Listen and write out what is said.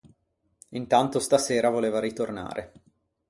Intanto stasera voleva ritornare.